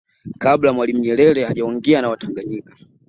Kabla ya Mwalimu Nyerere hajaongea na watanganyika